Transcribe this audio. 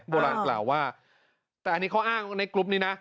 โบราณกล่าวว่าแต่อันนี้เขาอ้างในกรุ๊ปนี้นะ